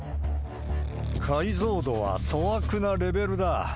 解像度は粗悪なレベルだ。